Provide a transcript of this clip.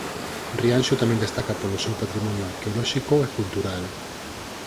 Rianxo tamén destaca polo seu patrimonio arqueolóxico e cultural.